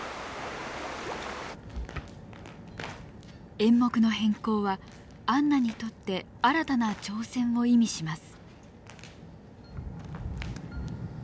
演目の変更はアンナにとって新たな挑戦を意味します。